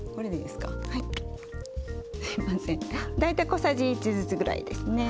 すいません大体小さじ１ずつぐらいですね。